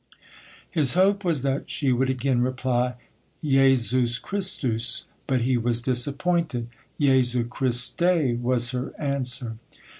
His hope was that she would again reply "Jesus Christus," but he was disappointed. "Jesu Christe," was her answer.